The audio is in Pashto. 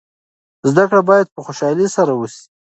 زده کړه باید په خوشحالۍ سره وسي.